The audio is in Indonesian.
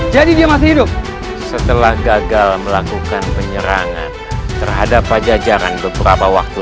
jadi dia masih hidup setelah gagal melakukan penyerangan terhadap pajajaran beberapa waktu